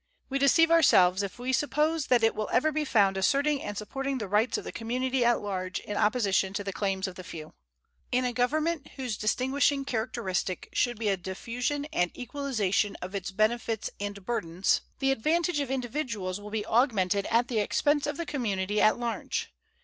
We deceive ourselves if we suppose that, it will ever be found asserting and supporting the rights of the community at large in opposition to the claims of the few. In a government whose distinguishing characteristic should be a diffusion and equalization of its benefits and burdens the advantage of individuals will be augmented at the expense of the community at large.